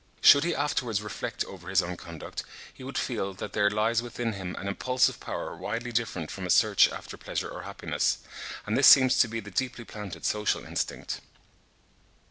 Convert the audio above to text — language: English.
Should he afterwards reflect over his own conduct, he would feel that there lies within him an impulsive power widely different from a search after pleasure or happiness; and this seems to be the deeply planted social instinct.